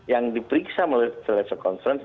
yang diperiksa melalui telekonferensi